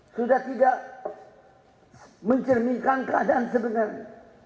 sudah tidak mencerminkan keadaan sebenarnya